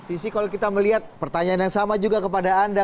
visi kalau kita melihat pertanyaan yang sama juga kepada anda